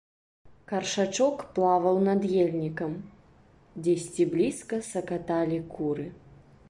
Каршачок плаваў над ельнікам, дзесьці блізка сакаталі куры.